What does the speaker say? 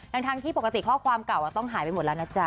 ทั้งที่ปกติข้อความเก่าต้องหายไปหมดแล้วนะจ๊ะ